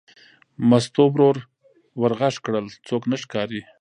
مستو ورو ور غږ کړل: څوک نه ښکاري.